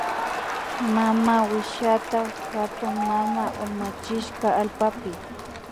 Mamawishita hatunmama urmachishka allpapi